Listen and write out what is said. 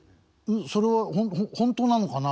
それは本当なのかな